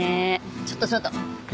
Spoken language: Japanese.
ちょっとちょっと。何？